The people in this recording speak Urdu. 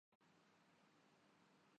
بنیادی مسائل اس معاشرے کے اور ہیں۔